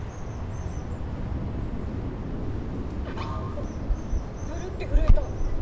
おっブルって震えた！